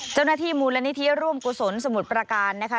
เจ้าหน้าที่มูลนิธิร่วมกุศลสมุทรประการนะคะ